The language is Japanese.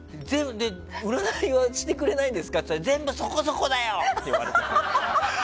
占いをしてくれないんですかって言ったら全部そこそこだよ！って言われた。